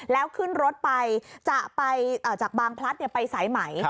แล้วขึ้นรถไปจะไปจากบางพลัดไปสายไหม